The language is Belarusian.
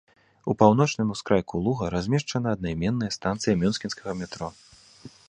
У паўночным ускрайку луга размешчана аднайменная станцыя мюнхенскага метро.